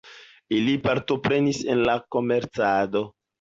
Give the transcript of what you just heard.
Ili partoprenis en la komercado.